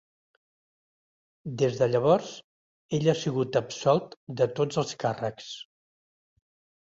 Des de llavors, ell ha sigut absolt de tots els càrrecs.